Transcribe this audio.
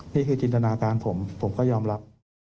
นี่คือจินตนาการผมผมก็ยอมรับ